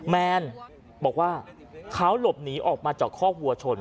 แมนบอกว่าเขาหลบหนีออกมาจากคอกวัวชน